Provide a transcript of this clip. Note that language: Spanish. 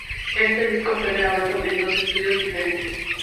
Este disco fue grabado en dos estudios diferentes.